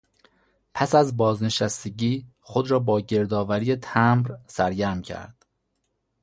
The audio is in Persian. پس از بازنشستگی خود را با گردآوری تمبر سرگرم کرد.